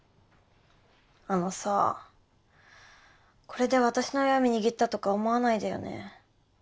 あのさこれで私の弱み握ったとか思わないでよね。